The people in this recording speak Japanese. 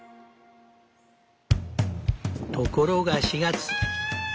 ところが４月。